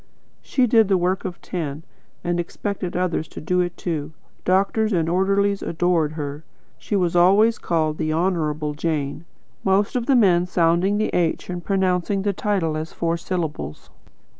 She did the work of ten, and expected others to do it too. Doctors and orderlies adored her. She was always called 'The Honourable Jane,' most of the men sounding the H and pronouncing the title as four syllables.